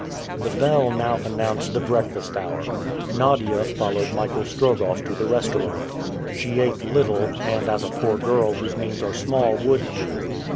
The bell now announced the breakfast hour. Nadia followed Michael Strogoff to the restaurant. She ate little, and as a poor girl whose means are small would do.